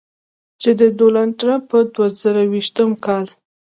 چې د ډونالډ ټرمپ د دوه زره یویشتم کال